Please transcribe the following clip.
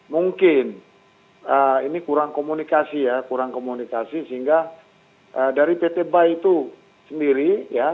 mungkin ini kurang komunikasi ya kurang komunikasi sehingga dari pt bai itu sendiri ya